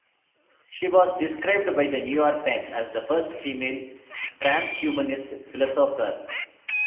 She was described by the "New York Times" as "the first female transhumanist philosopher".